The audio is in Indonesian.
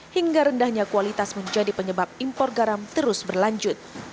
hingga rendahnya kualitas menjadi penyebab impor garam terus berlanjut